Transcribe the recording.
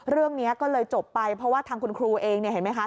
เรื่องนี้ก็เลยจบไปเพราะว่าทางคุณครูเองเนี่ยเห็นไหมคะ